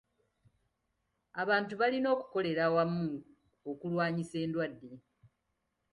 Abantu balina okukolera awamu okulwanyisa endwadde.